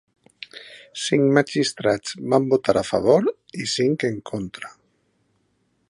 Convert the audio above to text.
Cinc magistrats van votar a favor i cinc en contra.